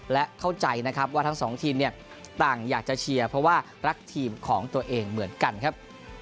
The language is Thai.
และเข้าใจนะครับว่าทั้งสองทีมเนี่ยต่างอยากจะเชียร์เพราะว่ารักทีมของตัวเองเหมือนกันครับ